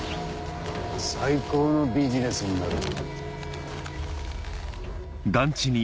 最高のビジネスになる。